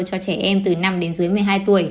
cho trẻ em từ năm đến dưới một mươi hai tuổi